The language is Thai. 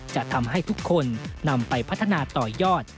จะทำให้ทุกคนนำไปพัฒนาต่อยอด